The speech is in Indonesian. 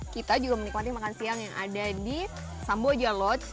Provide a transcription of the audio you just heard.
kita juga menikmati makan siang yang ada di samboja lodge